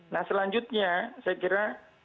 nah selanjutnya saya kira